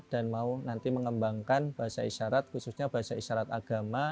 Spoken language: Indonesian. dan mau nanti mengembangkan bahasa isyarat khususnya bahasa isyarat agama